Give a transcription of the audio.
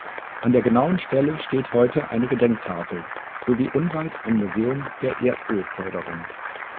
An der genauen Stelle steht heute eine Gedenktafel, sowie unweit ein Museum der Erdölförderung.